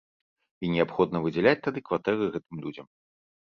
І неабходна выдзяляць тады кватэры гэтым людзям.